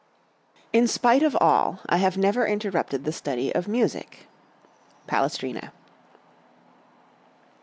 "In spite of all, I have never interrupted the study of music." _Palestrina.